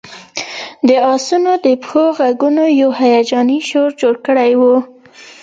د آسونو د پښو غږونو یو هیجاني شور جوړ کړی و